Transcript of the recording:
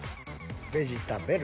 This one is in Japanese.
ベジたべる。